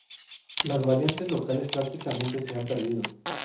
Las variantes locales prácticamente se han perdido.